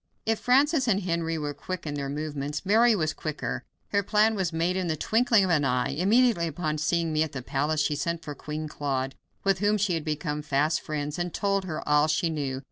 If Francis and Henry were quick in their movements, Mary was quicker. Her plan was made in the twinkling of an eye. Immediately upon seeing me at the palace she sent for Queen Claude, with whom she had become fast friends, and told her all she knew.